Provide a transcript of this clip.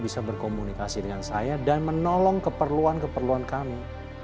bisa berkomunikasi dengan saya dan menolong keperluan keperluan kami